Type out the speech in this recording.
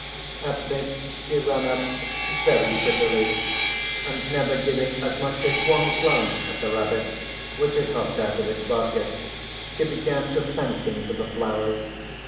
At this she ran up very prettily, and never giving as much as one glance at the rabbit which had hopped out of its basket, she began to thank him for the flowers.